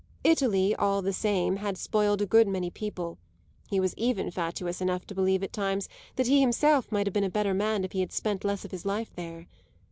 Italy, all the same, had spoiled a great many people; he was even fatuous enough to believe at times that he himself might have been a better man if he had spent less of his life there.